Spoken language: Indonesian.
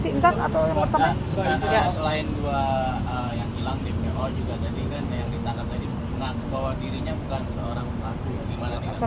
karena selain dua yang hilang dpo juga tadi kan yang ditangkap tadi mengaku bahwa dirinya bukan seorang pelaku